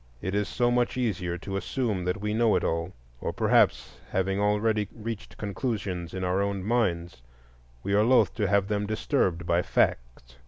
It is so much easier to assume that we know it all. Or perhaps, having already reached conclusions in our own minds, we are loth to have them disturbed by facts.